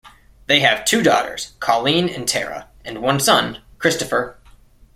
They have two daughters, Colleen and Tara, and one son, Christopher.